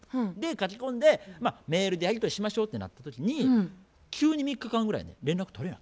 書き込んでまあメールでやり取りしましょうってなった時に急に３日間ぐらいね連絡取れんようなって。